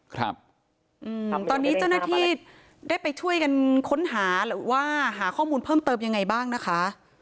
ครับอืมตอนนี้เจ้าหน้าที่ได้ไปช่วยกันค้นหาหรือว่าหาข้อมูลเพิ่มเติมยังไงบ้างนะคะ